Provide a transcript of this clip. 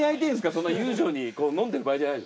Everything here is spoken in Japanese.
そんな悠長に飲んでる場合じゃない。